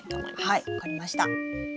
はい分かりました。